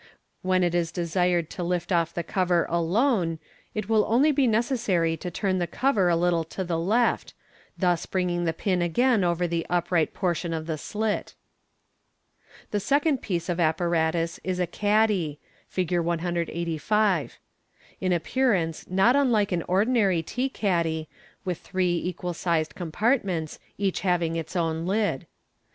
When it is desired to lift off the cover alone, it will onl> be necessary to turn the cover a little to the left, thus bringing the '"in again over the upright portion of the sftt. The second piece of apparatus is a caddy (Fig. 185), in appear ance not unlike an ordinary tea caddy, with three equal sized com partments, each having its own lid.